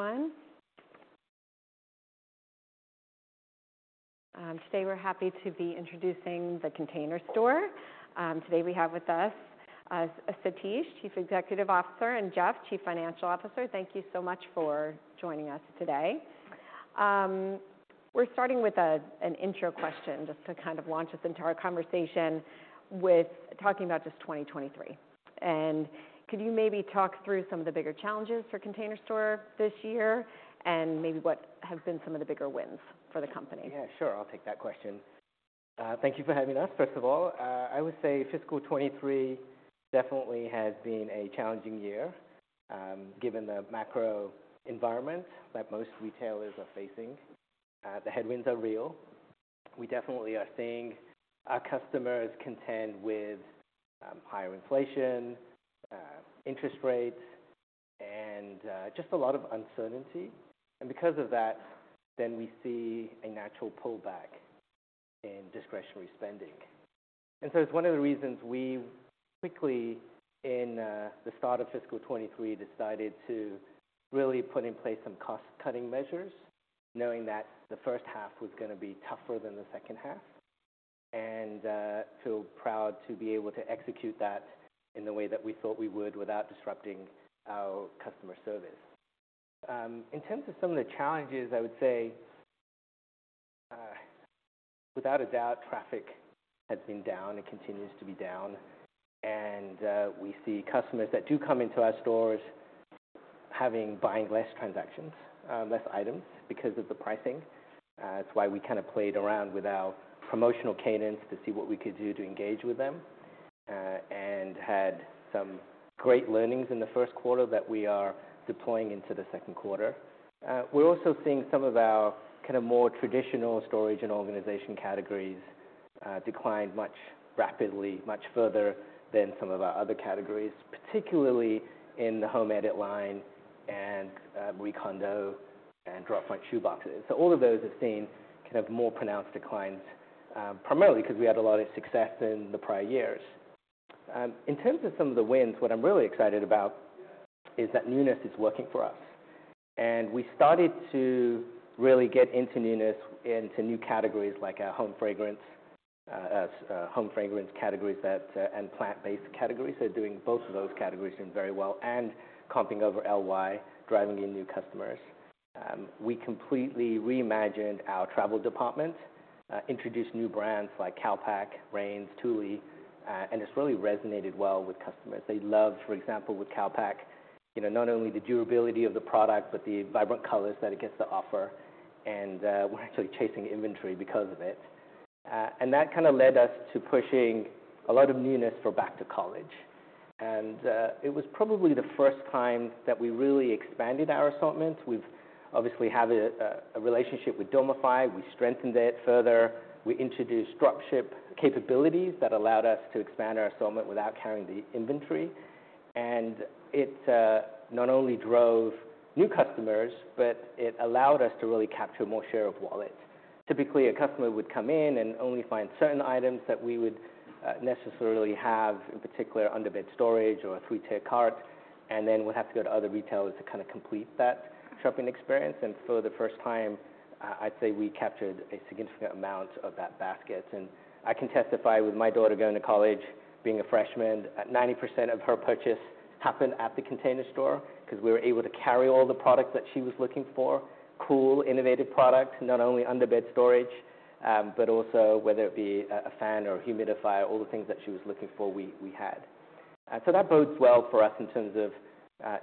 Everyone. Today we're happy to be introducing The Container Store. Today we have with us Satish, Chief Executive Officer, and Jeff, Chief Financial Officer. Thank you so much for joining us today. We're starting with an intro question just to kind of launch us into our conversation with talking about just 2023. And could you maybe talk through some of the bigger challenges for Container Store this year, and maybe what have been some of the bigger wins for the company? Yeah, sure. I'll take that question. Thank you for having us, first of all. I would say fiscal 2023 definitely has been a challenging year, given the macro environment that most retailers are facing. The headwinds are real. We definitely are seeing our customers contend with higher inflation, interest rates, and just a lot of uncertainty. And because of that, then we see a natural pullback in discretionary spending. And so it's one of the reasons we quickly in the start of fiscal 2023 decided to really put in place some cost-cutting measures, knowing that the first half was gonna be tougher than the second half. We feel proud to be able to execute that in the way that we thought we would without disrupting our customer service. In terms of some of the challenges, I would say, without a doubt, traffic has been down and continues to be down, and we see customers that do come into our stores having buying less transactions, less items because of the pricing. That's why we kinda played around with our promotional cadence to see what we could do to engage with them, and had some great learnings in the first quarter that we are deploying into the second quarter. We're also seeing some of our kinda more traditional storage and organization categories, decline much rapidly, much further than some of our other categories, particularly in the Home Edit line and WeCondo and Drop-Front Shoe Boxes. So all of those have seen kind of more pronounced declines, primarily 'cause we had a lot of success in the prior years. In terms of some of the wins, what I'm really excited about is that newness is working for us. We started to really get into newness, into new categories like our home fragrance categories and plant-based categories. They're doing both of those categories very well and comping over LY, driving in new customers. We completely reimagined our travel department, introduced new brands like CALPAK, Rains, Thule, and it's really resonated well with customers. They love, for example, with CALPAK, you know, not only the durability of the product, but the vibrant colors that it gets to offer, and we're actually chasing inventory because of it. That kinda led us to pushing a lot of newness for back to college. It was probably the first time that we really expanded our assortment. We've obviously had a relationship with Dormify. We strengthened it further. We introduced drop ship capabilities that allowed us to expand our assortment without carrying the inventory, and it not only drove new customers, but it allowed us to really capture more share of wallet. Typically, a customer would come in and only find certain items that we would necessarily have, in particular, underbed storage or a three-tier cart, and then would have to go to other retailers to kinda complete that shopping experience. For the first time, I'd say we captured a significant amount of that basket. I can testify, with my daughter going to college, being a freshman, 90% of her purchase happened at The Container Store 'cause we were able to carry all the products that she was looking for. Cool, innovative products, not only underbed storage, but also whether it be a fan or a humidifier, all the things that she was looking for, we had. So that bodes well for us in terms of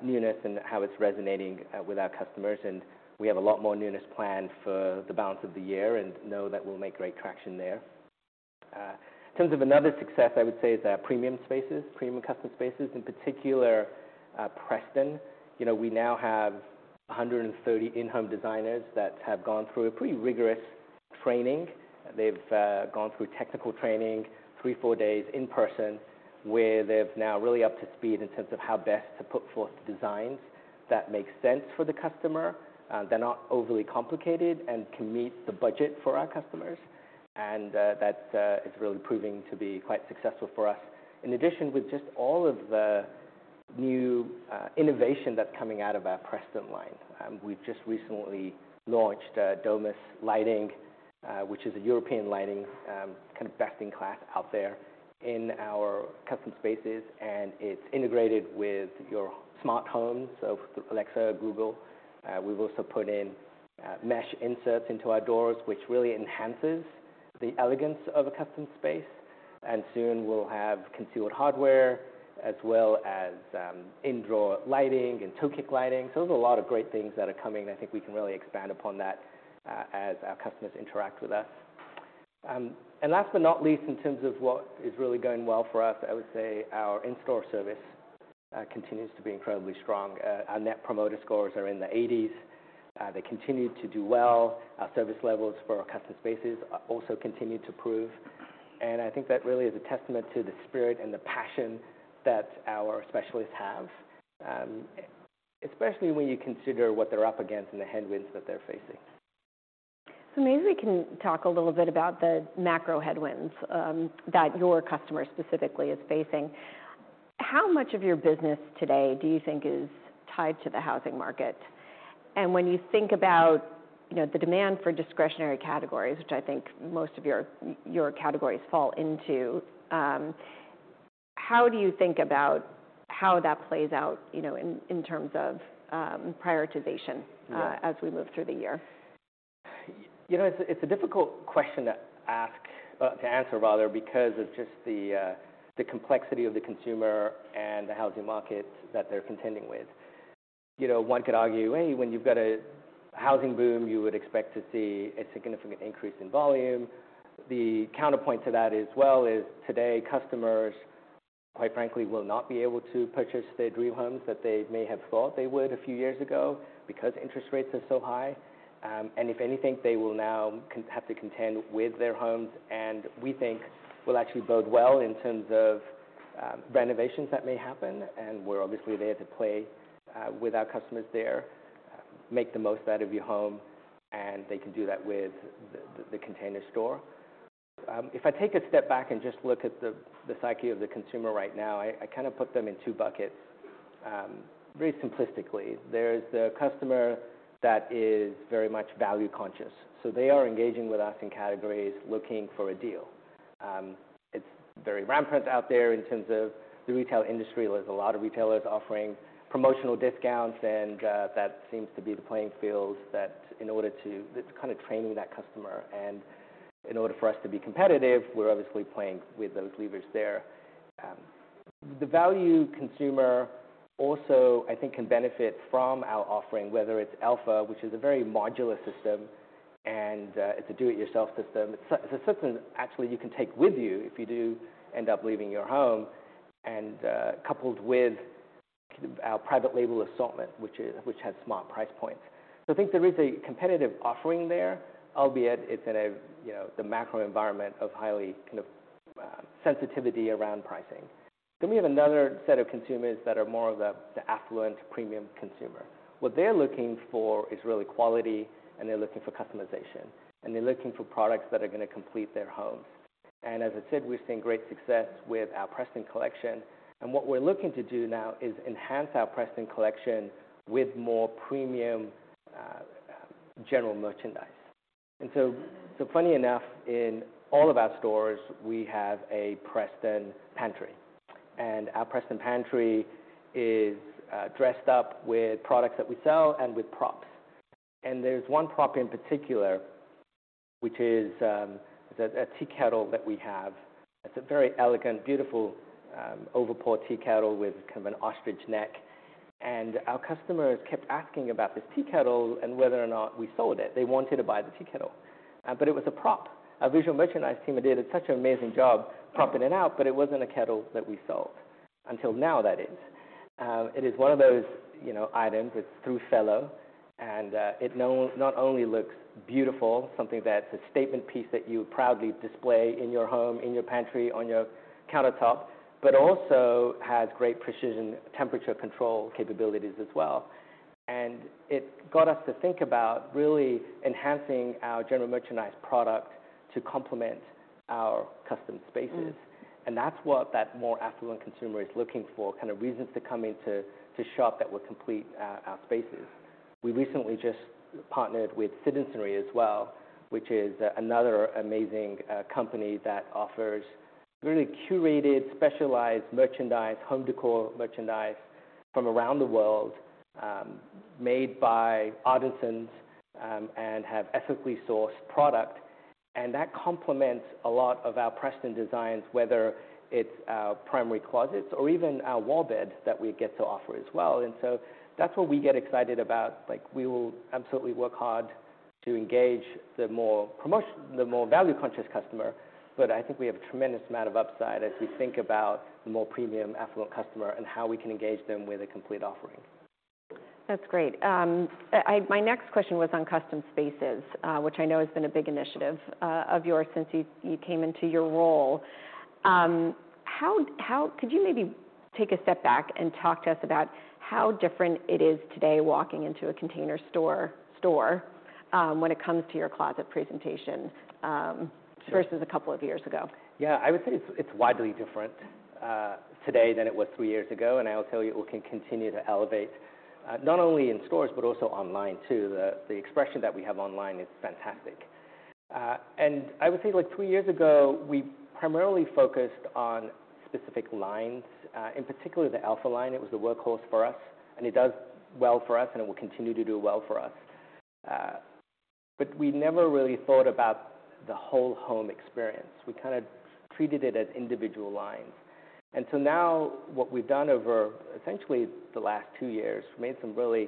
newness and how it's resonating with our customers, and we have a lot more newness planned for the balance of the year and know that we'll make great traction there. In terms of another success, I would say, is our premium spaces, premium custom spaces, in particular, Preston. You know, we now have 130 in-home designers that have gone through a pretty rigorous training. They've gone through technical training, 3-4 days in person, where they're now really up to speed in terms of how best to put forth the designs that make sense for the customer. They're not overly complicated and can meet the budget for our customers, and that is really proving to be quite successful for us. In addition, with just all of the new innovation that's coming out of our Preston line, we've just recently launched Domus Lighting, which is a European lighting kind of best-in-class out there in our Custom Spaces, and it's integrated with your smart homes, so Alexa, Google. We've also put in mesh inserts into our doors, which really enhances the elegance of a custom space. And soon we'll have concealed hardware, as well as in-drawer lighting and toe kick lighting. So there's a lot of great things that are coming, and I think we can really expand upon that as our customers interact with us. And last but not least, in terms of what is really going well for us, I would say our in-store service continues to be incredibly strong. Our Net Promoter Scores are in the eighties. They continue to do well. Our service levels for our Custom Spaces are also continue to improve, and I think that really is a testament to the spirit and the passion that our specialists have, especially when you consider what they're up against and the headwinds that they're facing.... So maybe we can talk a little bit about the macro headwinds that your customers specifically is facing. How much of your business today do you think is tied to the housing market? And when you think about, you know, the demand for discretionary categories, which I think most of your categories fall into, how do you think about how that plays out, you know, in terms of prioritization as we move through the year? You know, it's a difficult question to ask, to answer, rather, because of just the complexity of the consumer and the housing market that they're contending with. You know, one could argue, "Hey, when you've got a housing boom, you would expect to see a significant increase in volume." The counterpoint to that as well is today, customers, quite frankly, will not be able to purchase their dream homes that they may have thought they would a few years ago because interest rates are so high. And if anything, they will now have to contend with their homes, and we think will actually bode well in terms of, renovations that may happen, and we're obviously there to play, with our customers there. Make the most out of your home, and they can do that with The Container Store. If I take a step back and just look at the psyche of the consumer right now, I kind of put them in two buckets. Very simplistically, there's the customer that is very much value conscious, so they are engaging with us in categories, looking for a deal. It's very rampant out there in terms of the retail industry. There's a lot of retailers offering promotional discounts, and that seems to be the playing field that in order to... It's kind of training that customer, and in order for us to be competitive, we're obviously playing with those levers there. The value consumer also, I think, can benefit from our offering, whether it's Elfa, which is a very modular system, and it's a do-it-yourself system. It's a system actually you can take with you if you do end up leaving your home, and coupled with our private label assortment, which has smart price points. So I think there is a competitive offering there, albeit it's in a, you know, the macro environment of highly, kind of, sensitivity around pricing. Then we have another set of consumers that are more of the, the affluent, premium consumer. What they're looking for is really quality, and they're looking for customization, and they're looking for products that are gonna complete their homes. And as I said, we've seen great success with our Preston collection, and what we're looking to do now is enhance our Preston collection with more premium general merchandise. So funny enough, in all of our stores, we have a Preston pantry, and our Preston pantry is dressed up with products that we sell and with props. There's one prop in particular, which is a tea kettle that we have. It's a very elegant, beautiful pour-over tea kettle with kind of a gooseneck. Our customers kept asking about this tea kettle and whether or not we sold it. They wanted to buy the tea kettle, but it was a prop. Our visual merchandise team had did such an amazing job propping it out, but it wasn't a kettle that we sold, until now, that is. It is one of those, you know, items. It's through Fellow, and it not only looks beautiful, something that's a statement piece that you would proudly display in your home, in your pantry, on your countertop, but also has great precision, temperature control capabilities as well. And it got us to think about really enhancing our general merchandise product to complement our Custom Spaces. That's what that more affluent consumer is looking for, kind of reasons to come in to, to shop that will complete our spaces. We recently just partnered with Citizensry as well, which is another amazing company that offers really curated, specialized merchandise, home decor merchandise from around the world, made by artisans, and have ethically sourced product, and that complements a lot of our Preston designs, whether it's our primary closets or even our wall bed that we get to offer as well. And so that's what we get excited about. Like, we will absolutely work hard to engage the more value-conscious customer, but I think we have a tremendous amount of upside as we think about the more premium, affluent customer and how we can engage them with a complete offering. That's great. My next question was on Custom Spaces, which I know has been a big initiative of yours since you came into your role. How could you maybe take a step back and talk to us about how different it is today walking into a Container Store store, when it comes to your closet presentation, versus a couple of years ago? Yeah. I would say it's widely different today than it was 3 years ago, and I will tell you, we can continue to elevate not only in stores but also online too. The expression that we have online is fantastic. And I would say, like 2 years ago, we primarily focused on specific lines, in particular the Elfa line. It was the workhorse for us, and it does well for us, and it will continue to do well for us. But we never really thought about the whole home experience. We kind of treated it as individual lines. And so now what we've done over essentially the last 2 years, made some really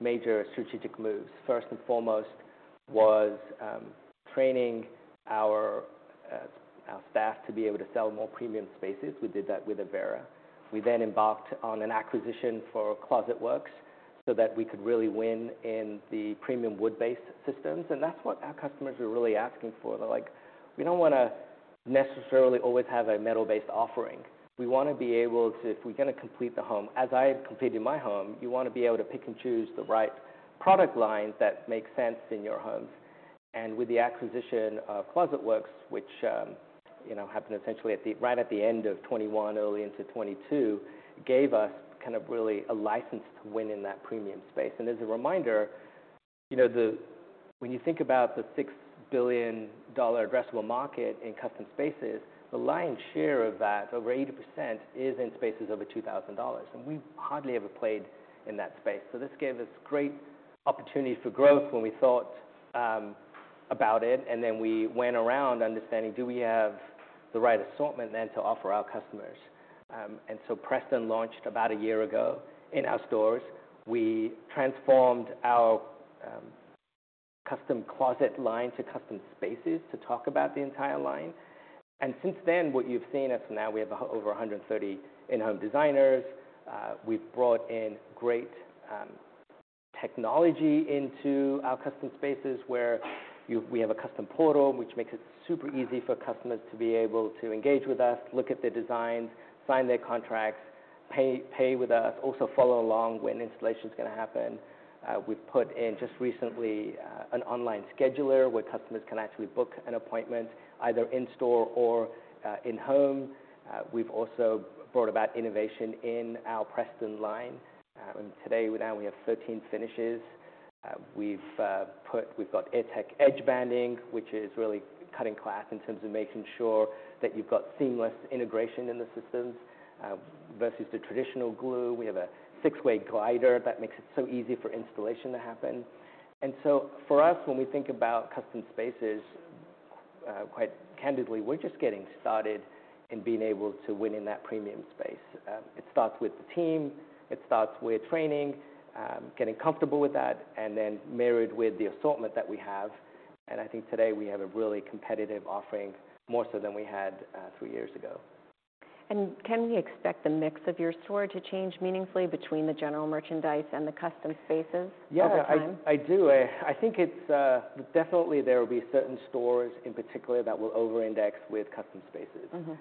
major strategic moves. First and foremost was training our staff to be able to sell more premium spaces. We did that with Avera. We then embarked on an acquisition for Closet Works so that we could really win in the premium wood-based systems, and that's what our customers are really asking for. They're like: "We don't wanna necessarily always have a metal-based offering. We wanna be able to, if we're gonna complete the home, as I had completed my home, you wanna be able to pick and choose the right product lines that make sense in your home. And with the acquisition of Closet Works, which, you know, happened essentially at the right at the end of 2021, early into 2022, gave us kind of really a license to win in that premium space. And as a reminder, you know, the, when you think about the $6 billion addressable market in Custom Spaces, the lion's share of that, over 80%, is in spaces over $2,000, and we've hardly ever played in that space. So this gave us great opportunity for growth when we thought about it, and then we went around understanding, do we have the right assortment then to offer our customers? And so Preston launched about a year ago in our stores. We transformed our custom closet line to Custom Spaces to talk about the entire line. And since then, what you've seen is now we have over 130 in-home designers. We've brought in great technology into our Custom Spaces, where we have a custom portal, which makes it super easy for customers to be able to engage with us, look at their designs, sign their contracts, pay, pay with us, also follow along when installation's gonna happen. We've put in, just recently, an online scheduler, where customers can actually book an appointment, either in store or in home. We've also brought about innovation in our Preston line, and today, now we have 13 finishes. We've got AirTech edge banding, which is really cutting-edge in terms of making sure that you've got seamless integration in the systems, versus the traditional glue. We have a six-way glider that makes it so easy for installation to happen. And so for us, when we think about Custom Spaces, quite candidly, we're just getting started in being able to win in that premium space. It starts with the team, it starts with training, getting comfortable with that, and then married with the assortment that we have, and I think today we have a really competitive offering, more so than we had, three years ago. Can we expect the mix of your store to change meaningfully between the general merchandise and the Custom Spaces over time? Yeah, I, I do. I, I think it's... Definitely there will be certain stores in particular that will over-index with Custom Spaces.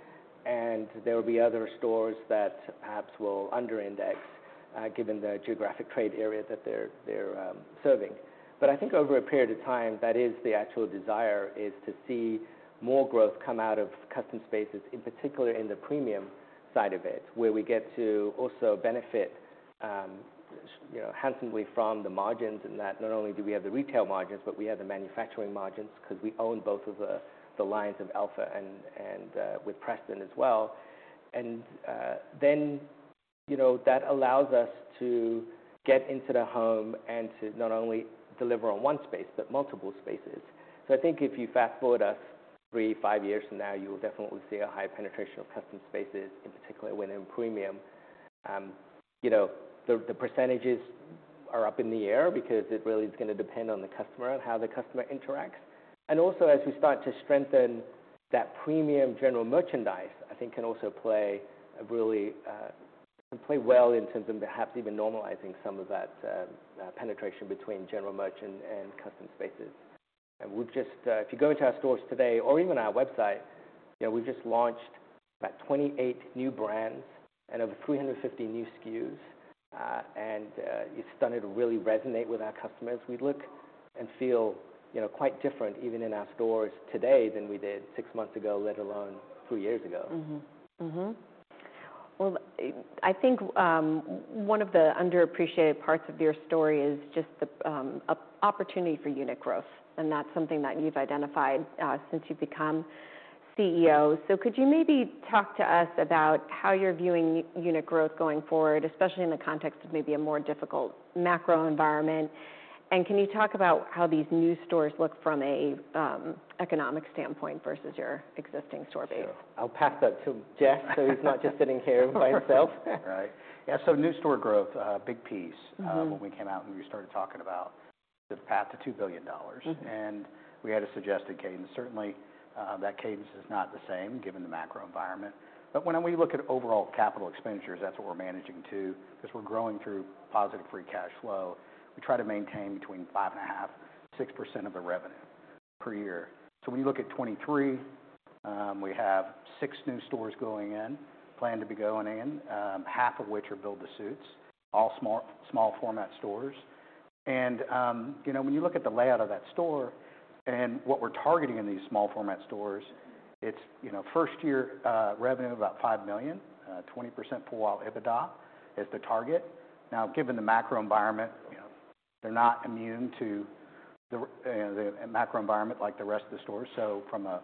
There will be other stores that perhaps will under-index, given the geographic trade area that they're serving. But I think over a period of time, that is the actual desire, is to see more growth come out of Custom Spaces, in particular in the premium side of it, where we get to also benefit, you know, handsomely from the margins in that not only do we have the retail margins, but we have the manufacturing margins, 'cause we own both of the lines of Elfa and with Preston as well. Then, you know, that allows us to get into the home and to not only deliver on one space, but multiple spaces. So I think if you fast-forward us 3, 5 years from now, you will definitely see a high penetration of Custom Spaces, in particular when in premium. You know, the percentages are up in the air because it really is gonna depend on the customer and how the customer interacts. And also, as we start to strengthen that premium general merchandise, I think can also play a really, can play well in terms of perhaps even normalizing some of that penetration between general merchandise and Custom Spaces. And we've just. If you go into our stores today, or even our website, you know, we've just launched about 28 new brands and over 350 new SKUs, and it's started to really resonate with our customers. We look and feel, you know, quite different, even in our stores today than we did six months ago, let alone three years ago. Well, I think one of the underappreciated parts of your story is just the opportunity for unit growth, and that's something that you've identified since you've become CEO. So could you maybe talk to us about how you're viewing unit growth going forward, especially in the context of maybe a more difficult macro environment? And can you talk about how these new stores look from an economic standpoint versus your existing store base? Sure. I'll pass that to Jeff so he's not just sitting here by himself. Right. Yeah, so new store growth, a big piece when we came out and we started talking about the path to $2 billion. We had a suggested cadence. Certainly, that cadence is not the same, given the macro environment. But when we look at overall capital expenditures, that's what we're managing to, 'cause we're growing through positive free cash flow. We try to maintain between 5.5% to 6% of the revenue per year. So when you look at 2023, we have 6 new stores going in, plan to be going in, half of which are build-to-suits, all small format stores. And, you know, when you look at the layout of that store and what we're targeting in these small format stores, it's, you know, first year revenue of about $5 million, 20% flow-through EBITDA is the target. Now, given the macro environment, you know, they're not immune to the macro environment like the rest of the stores. So from a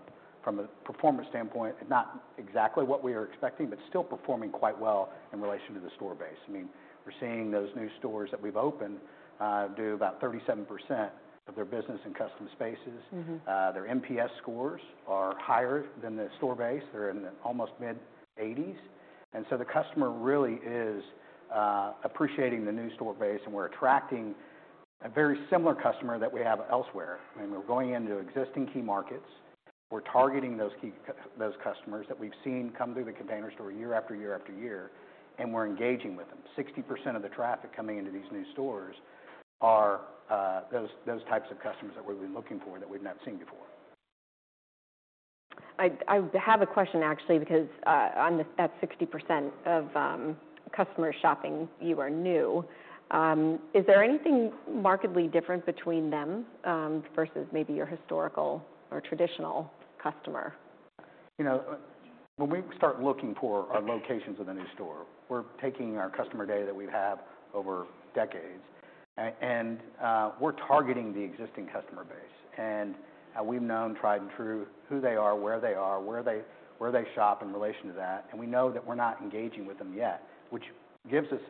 performance standpoint, not exactly what we were expecting, but still performing quite well in relation to the store base. I mean, we're seeing those new stores that we've opened do about 37% of their business in Custom Spaces. Their NPS scores are higher than the store base. They're in the almost mid-eighties. And so the customer really is appreciating the new store base, and we're attracting a very similar customer that we have elsewhere, and we're going into existing key markets. We're targeting those key customers that we've seen come through The Container Store year after year after year, and we're engaging with them. 60% of the traffic coming into these new stores are those types of customers that we've been looking for, that we've not seen before. I have a question, actually, because on that 60% of customer shopping, you are new. Is there anything markedly different between them versus maybe your historical or traditional customer? You know, when we start looking for our locations of a new store, we're taking our customer data that we've had over decades, and we're targeting the existing customer base. We've known tried and true, who they are, where they are, where they shop in relation to that, and we know that we're not engaging with them yet, which gives us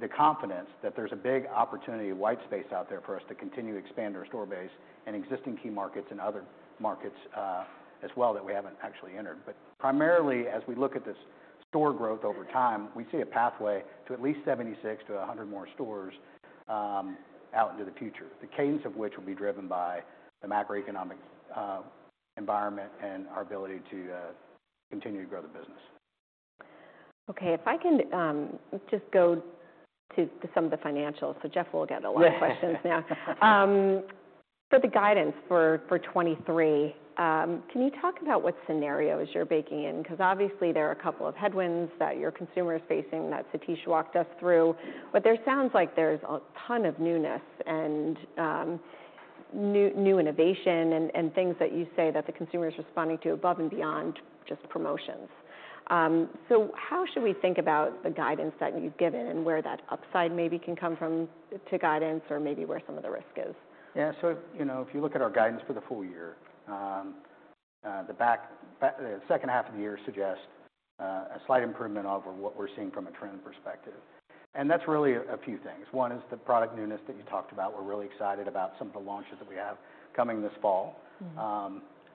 the confidence that there's a big opportunity, a wide space out there for us to continue to expand our store base in existing key markets and other markets, as well, that we haven't actually entered. But primarily, as we look at this store growth over time, we see a pathway to at least 76-100 more stores out into the future. The cadence of which will be driven by the macroeconomic environment and our ability to continue to grow the business. Okay, if I can just go to some of the financials. So Jeff will get a lot of questions now. For the guidance for 2023, can you talk about what scenarios you're baking in? Because obviously there are a couple of headwinds that your consumer is facing, that Satish walked us through. But there sounds like there's a ton of newness and new innovation and things that you say that the consumer is responding to above and beyond just promotions. So how should we think about the guidance that you've given and where that upside maybe can come from to guidance or maybe where some of the risk is? Yeah, so if, you know, if you look at our guidance for the full year, the second half of the year suggests a slight improvement over what we're seeing from a trend perspective. And that's really a few things. One is the product newness that you talked about. We're really excited about some of the launches that we have coming this fall.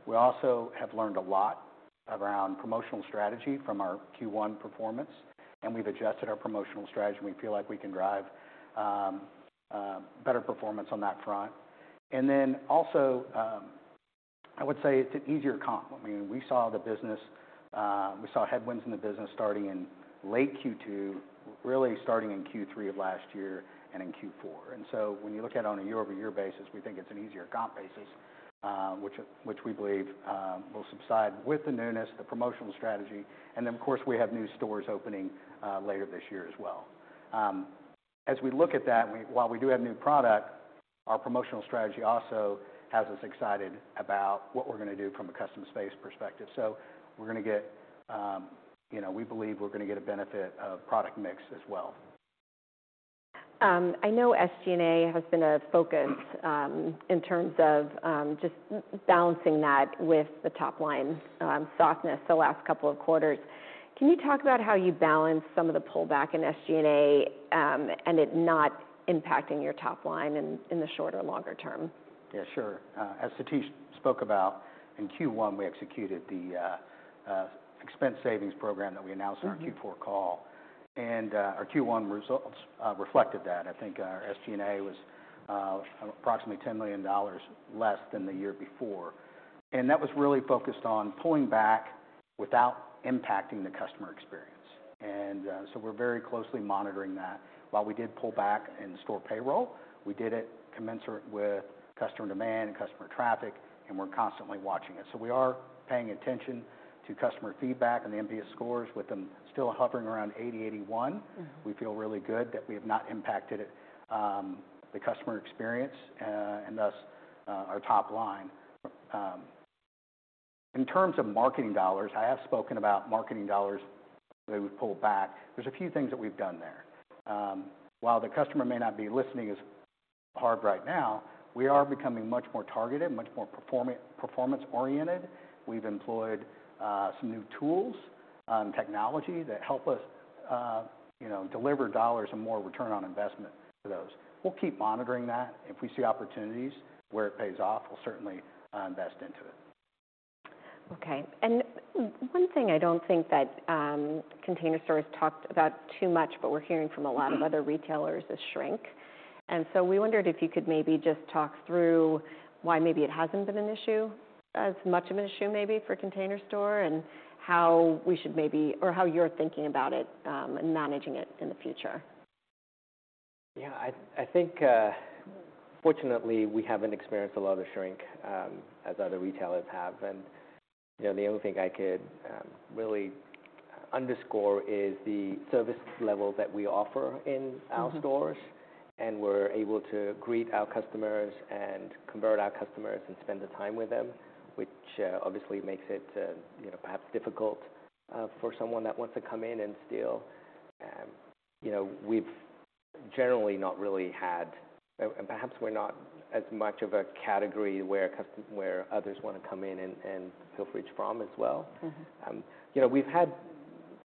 We also have learned a lot around promotional strategy from our Q1 performance, and we've adjusted our promotional strategy. We feel like we can drive better performance on that front. And then also, I would say it's an easier comp. I mean, we saw the business, we saw headwinds in the business starting in late Q2, really starting in Q3 of last year and in Q4. And so when you look at it on a year-over-year basis, we think it's an easier comp basis, which we believe will subside with the newness, the promotional strategy, and then, of course, we have new stores opening later this year as well. As we look at that, we... While we do have new product, our promotional strategy also has us excited about what we're gonna do from a custom space perspective. We're gonna get, you know, we believe we're gonna get a benefit of product mix as well. I know SG&A has been a focus in terms of just balancing that with the top line softness the last couple of quarters. Can you talk about how you balance some of the pullback in SG&A and it not impacting your top line in the short or longer term? Yeah, sure. As Satish spoke about, in Q1, we executed the expense savings program that we announced on our Q4 call, and, our Q1 results, reflected that. I think our SG&A was, approximately $10 million less than the year before, and that was really focused on pulling back without impacting the customer experience. And, so we're very closely monitoring that. While we did pull back in store payroll, we did it commensurate with customer demand and customer traffic, and we're constantly watching it. So we are paying attention to customer feedback and the NPS scores, with them still hovering around 80, 81. We feel really good that we have not impacted the customer experience, and thus, our top line. In terms of marketing dollars, I have spoken about marketing dollars. They would pull back. There's a few things that we've done there. While the customer may not be listening as hard right now, we are becoming much more targeted, much more performance oriented. We've employed some new tools and technology that help us, you know, deliver dollars and more return on investment for those. We'll keep monitoring that. If we see opportunities where it pays off, we'll certainly invest into it. Okay. And one thing I don't think that Container Store has talked about too much, but we're hearing from a lot of other retailers, is shrink. And so we wondered if you could maybe just talk through why maybe it hasn't been an issue, as much of an issue, maybe, for Container Store, and how we should maybe or how you're thinking about it, and managing it in the future? Yeah, I think, fortunately, we haven't experienced a lot of shrink as other retailers have. You know, the only thing I could really underscore is the service level that we offer in our stores, and we're able to greet our customers and convert our customers and spend the time with them, which obviously makes it, you know, perhaps difficult for someone that wants to come in and steal. You know, we've generally not really had, and, and perhaps we're not as much of a category where others want to come in and, and steal merch from as well. You know, we've had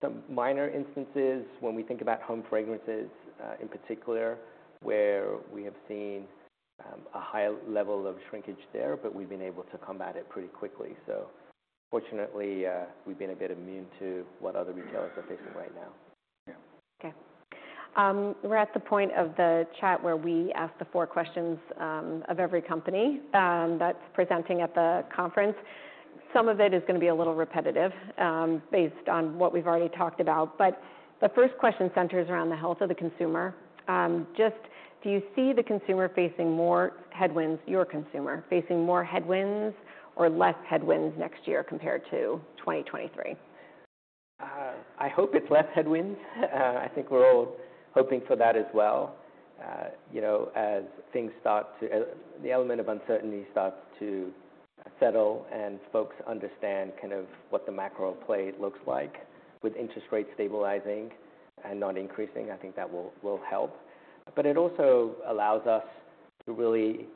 some minor instances when we think about home fragrances, in particular, where we have seen a high level of shrinkage there, but we've been able to combat it pretty quickly. So fortunately, we've been a bit immune to what other retailers are facing right now. Yeah. Okay. We're at the point of the chat where we ask the four questions of every company that's presenting at the conference. Some of it is going to be a little repetitive based on what we've already talked about. But the first question centers around the health of the consumer. Just do you see the consumer facing more headwinds, your consumer, facing more headwinds or less headwinds next year compared to 2023? I hope it's less headwinds. I think we're all hoping for that as well. You know, as things start, the element of uncertainty starts to settle and folks understand kind of what the macro play looks like with interest rates stabilizing and not increasing, I think that will help. But it also allows us to really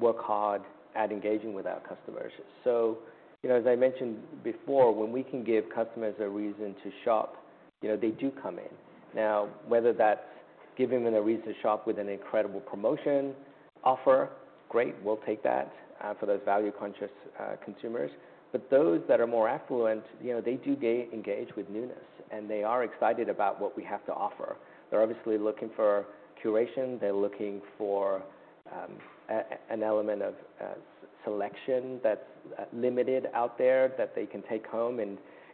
work hard at engaging with our customers. So, you know, as I mentioned before, when we can give customers a reason to shop, you know, they do come in. Now, whether that's giving them a reason to shop with an incredible promotion offer, great, we'll take that for those value-conscious consumers. But those that are more affluent, you know, they do engage with newness, and they are excited about what we have to offer. They're obviously looking for curation. They're looking for an element of selection that's limited out there that they can take home. You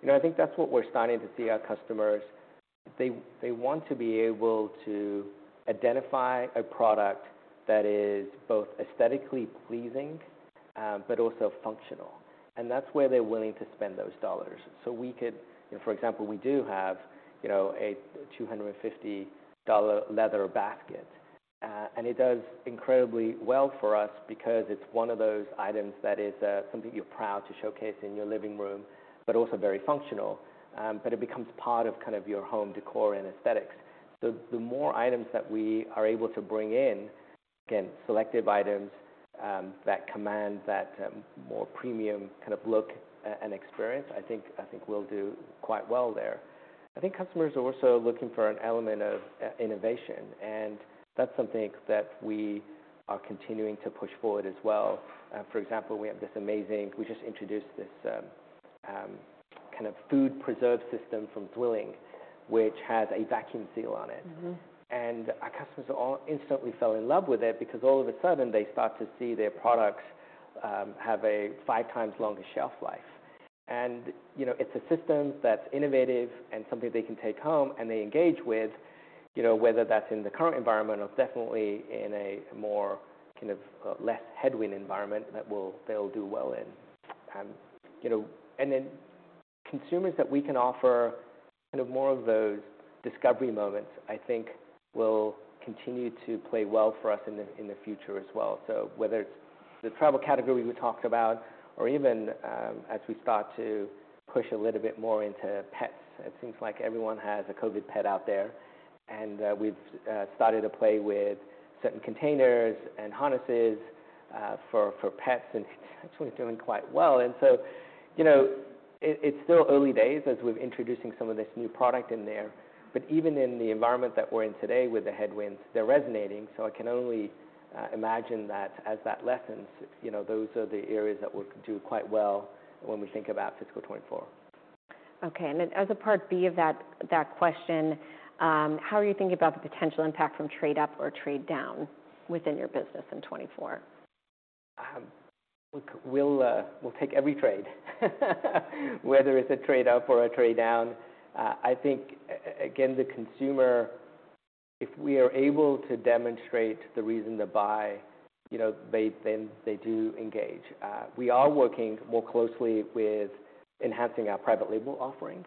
know, I think that's what we're starting to see our customers... They want to be able to identify a product that is both aesthetically pleasing but also functional, and that's where they're willing to spend those dollars. For example, we do have, you know, a $250 leather basket, and it does incredibly well for us because it's one of those items that is something you're proud to showcase in your living room, but also very functional. But it becomes part of kind of your home decor and aesthetics. So the more items that we are able to bring in, again, selective items, that command that more premium kind of look and experience, I think, I think we'll do quite well there. I think customers are also looking for an element of innovation, and that's something that we are continuing to push forward as well. For example, we have this amazing. We just introduced this kind of food preserve system from ZWILLING, which has a vacuum seal on it. Our customers all instantly fell in love with it because all of a sudden, they start to see their products have a 5 times longer shelf life. You know, it's a system that's innovative and something they can take home, and they engage with, you know, whether that's in the current environment or definitely in a more kind of less headwind environment that they'll do well in. You know, and then consumers that we can offer kind of more of those discovery moments, I think will continue to play well for us in the future as well. So whether it's the travel category we talked about or even, as we start to push a little bit more into pets, it seems like everyone has a COVID pet out there, and, we've started to play with certain containers and harnesses, for, for pets, and it's actually doing quite well. And so, you know, it, it's still early days as we're introducing some of this new product in there, but even in the environment that we're in today with the headwinds, they're resonating. So I can only imagine that as that lessens, you know, those are the areas that will do quite well when we think about fiscal 2024. Okay, and then as a part B of that, that question, how are you thinking about the potential impact from trade up or trade down within your business in 2024? Look, we'll, we'll take every trade, whether it's a trade up or a trade down. I think again, the consumer, if we are able to demonstrate the reason to buy, you know, they, then they do engage. We are working more closely with enhancing our private label offerings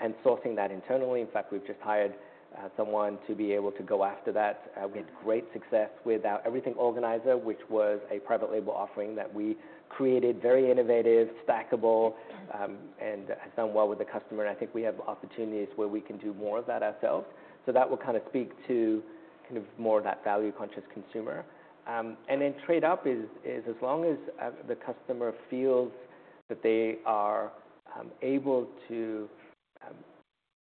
and sourcing that internally. In fact, we've just hired someone to be able to go after that. We had great success with our Everything Organizer, which was a private label offering that we created, very innovative, stackable- Has done well with the customer, and I think we have opportunities where we can do more of that ourselves. So that will kind of speak to kind of more of that value-conscious consumer. And then trade up is as long as the customer feels that they are able to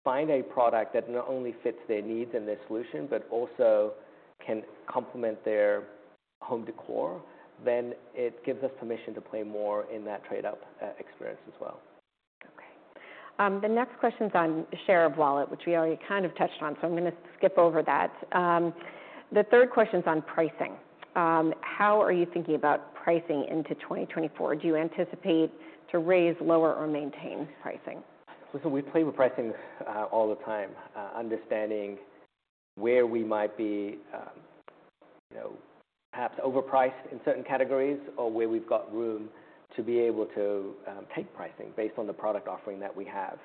find a product that not only fits their needs and their solution but also can complement their home decor, then it gives us permission to play more in that trade-up experience as well. Okay. The next question's on share of wallet, which we already kind of touched on, so I'm gonna skip over that. The third question's on pricing. How are you thinking about pricing into 2024? Do you anticipate to raise, lower, or maintain pricing? So we play with pricing all the time, understanding where we might be, you know, perhaps overpriced in certain categories or where we've got room to be able to take pricing based on the product offering that we have.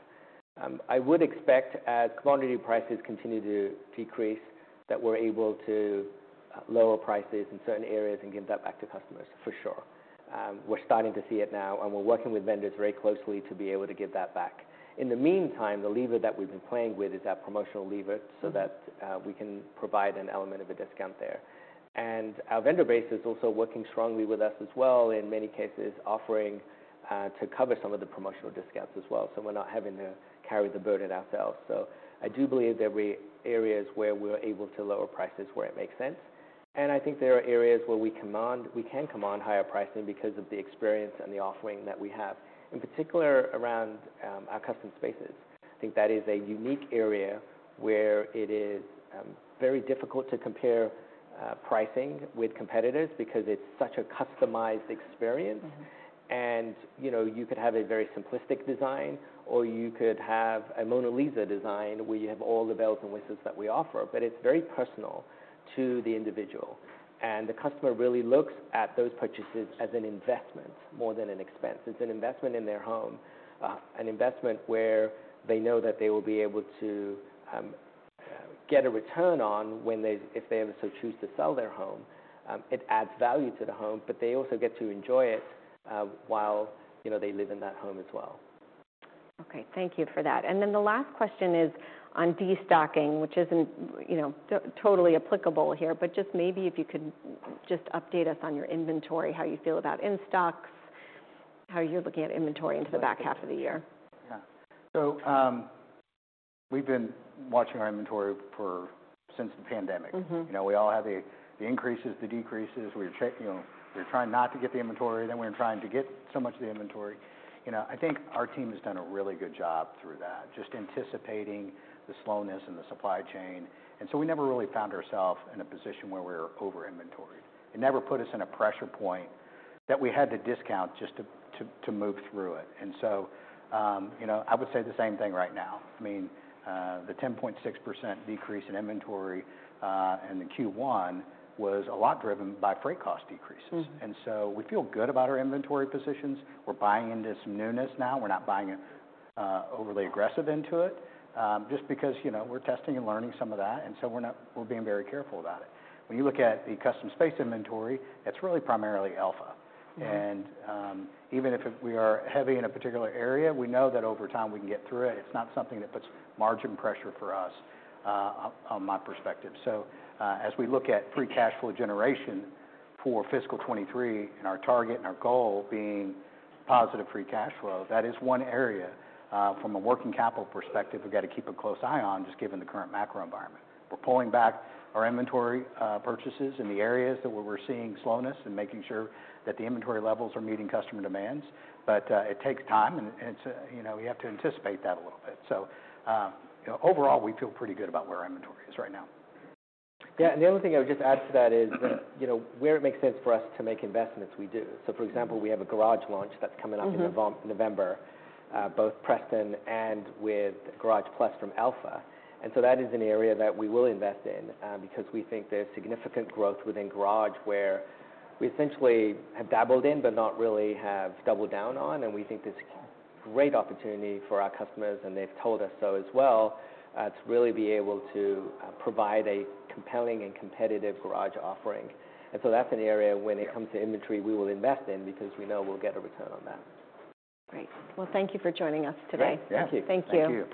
I would expect, as commodity prices continue to decrease, that we're able to lower prices in certain areas and give that back to customers, for sure. We're starting to see it now, and we're working with vendors very closely to be able to give that back. In the meantime, the lever that we've been playing with is our promotional lever- so that we can provide an element of a discount there. And our vendor base is also working strongly with us as well, in many cases, offering to cover some of the promotional discounts as well. So we're not having to carry the burden ourselves. So I do believe there will be areas where we're able to lower prices, where it makes sense, and I think there are areas where we can command higher pricing because of the experience and the offering that we have, in particular, around our custom spaces. I think that is a unique area where it is very difficult to compare pricing with competitors because it's such a customized experience You know, you could have a very simplistic design, or you could have a Mona Lisa design, where you have all the bells and whistles that we offer. But it's very personal to the individual, and the customer really looks at those purchases as an investment more than an expense. It's an investment in their home, an investment where they know that they will be able to get a return on if they ever so choose to sell their home. It adds value to the home, but they also get to enjoy it while, you know, they live in that home as well. Okay, thank you for that. Then the last question is on destocking, which isn't, you know, totally applicable here, but just maybe if you could just update us on your inventory, how you feel about in stocks, how you're looking at inventory into the back half of the year? Yeah. So, we've been watching our inventory since the pandemic. You know, we all have the increases, the decreases. You know, we're trying not to get the inventory, then we're trying to get so much of the inventory. You know, I think our team has done a really good job through that, just anticipating the slowness in the supply chain, and so we never really found ourselves in a position where we're over inventoried. It never put us in a pressure point that we had to discount just to move through it. And so, you know, I would say the same thing right now. I mean, the 10.6% decrease in inventory in the Q1 was a lot driven by freight cost decreases. We feel good about our inventory positions. We're buying into some newness now. We're not buying it overly aggressive into it just because, you know, we're testing and learning some of that, and so we're being very careful about it. When you look at the custom space inventory, it's really primarily Elfa. And, even if it we are heavy in a particular area, we know that over time we can get through it. It's not something that puts margin pressure for us, on, on my perspective. So, as we look at free cash flow generation for fiscal 2023 and our target and our goal being positive free cash flow, that is one area, from a working capital perspective we've got to keep a close eye on, just given the current macro environment. We're pulling back our inventory, purchases in the areas that where we're seeing slowness and making sure that the inventory levels are meeting customer demands, but, it takes time, and, and, you know, we have to anticipate that a little bit. So, overall, we feel pretty good about where our inventory is right now. Yeah, and the other thing I would just add to that is... you know, where it makes sense for us to make investments, we do. So, for example, we have a garage launch that's coming up in November, both Preston and with Garage+ from Elfa. And so that is an area that we will invest in, because we think there's significant growth within garage, where we essentially have dabbled in but not really have doubled down on, and we think it's a great opportunity for our customers, and they've told us so as well, to really be able to provide a compelling and competitive garage offering. And so that's an area when it comes to inventory we will invest in because we know we'll get a return on that. Great. Well, thank you for joining us today. Great, yeah. Thank you. Thank you.